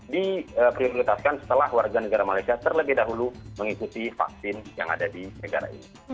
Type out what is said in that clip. diprioritaskan setelah warga negara malaysia terlebih dahulu mengikuti vaksin yang ada di negara ini